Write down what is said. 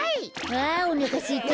あおなかすいた。